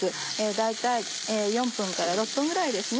大体４分から６分ぐらいです